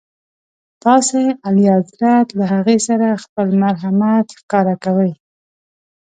تاسي اعلیحضرت له هغې سره خپل مرحمت ښکاره کوئ.